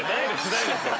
ないですよ。